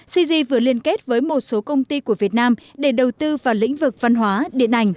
cg vừa liên kết với một số công ty của việt nam để đầu tư vào lĩnh vực văn hóa điện ảnh